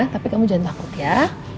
tapi kamu jangan takut ya